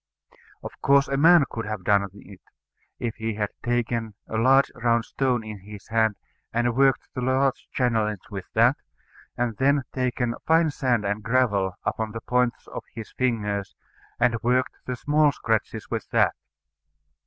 Of course a man could have done it, if he had taken a large round stone in his hand, and worked the large channellings with that, and then had taken fine sand and gravel upon the points of his fingers, and worked the small scratches with that.